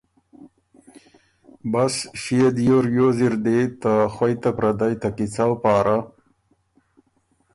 بس ݭيې دیو ریوز اِر دی ته خوئ ته پردئ ته کیڅؤ پاره